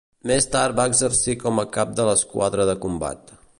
Més tard va exercir com a cap de l'esquadra de combat.